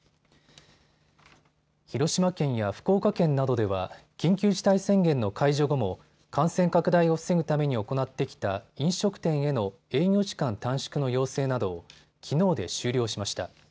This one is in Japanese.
広島県や福岡県などでは緊急事態宣言の解除後も感染拡大を防ぐために行ってきた飲食店への営業時間短縮の要請などをきのうで終了しました。